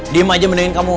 diam aja mendingin kamu